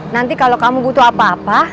nanti kalau kamu butuh apa apa